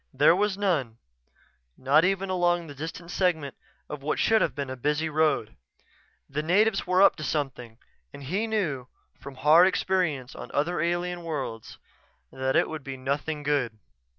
There was none, not even along the distant segment of what should have been a busy road. The natives were up to something and he knew, from hard experience on other alien worlds, that it would be nothing good.